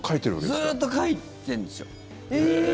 ずっと書いてるんですよ。